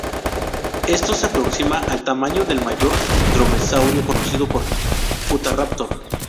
Esto se aproxima al tamaño del mayor dromeosáurido conocido, "Utahraptor".